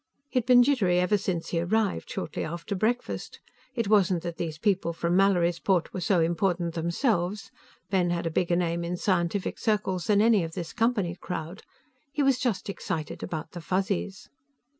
He'd been jittery ever since he arrived, shortly after breakfast. It wasn't that these people from Mallorysport were so important themselves; Ben had a bigger name in scientific circles than any of this Company crowd. He was just excited about the Fuzzies.